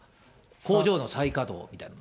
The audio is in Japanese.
工場の再稼働みたいな。